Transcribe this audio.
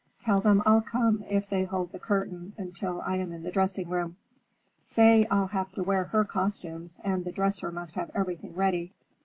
"Tell them I'll come if they hold the curtain till I am in the dressing room. Say I'll have to wear her costumes, and the dresser must have everything ready.